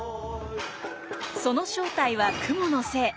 その正体は蜘蛛の精。